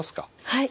はい。